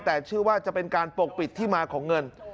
แต่เชื่อว่าจะเป็นการปกปิดที่มาของเงิน